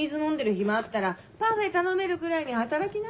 暇あったらパフェ頼めるぐらいに働きな。